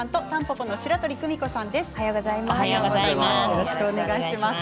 よろしくお願いします。